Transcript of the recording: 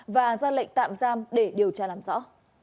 và ra lệnh tạm giam để điều tra làm rõ